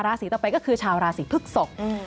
ราศีต่อไปก็คือชาวราศีพฤกษก